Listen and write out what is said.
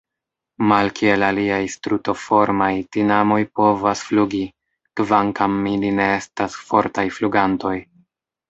Malkiel aliaj Strutoformaj, tinamoj povas flugi, kvankam ili ne estas fortaj flugantoj.